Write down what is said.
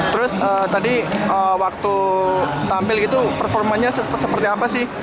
terus tadi waktu tampil itu performanya seperti apa sih